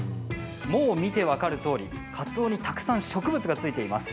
もう見て分かるとおり、かつおにたくさん植物がついています。